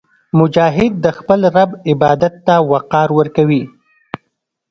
مجاهد د خپل رب عبادت ته وقار ورکوي.